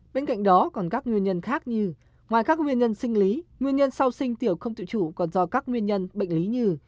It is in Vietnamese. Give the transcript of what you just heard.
bên cạnh đó còn các nguyên nhân khác như ngoài các nguyên nhân sinh lý nguyên nhân sau sinh tiểu không tự chủ còn do các nguyên nhân bệnh lý như